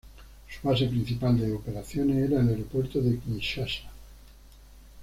Su base principal de operaciones era el Aeropuerto de Kinshasa.